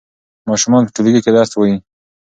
ماشومان په ټولګي کې درس وايي.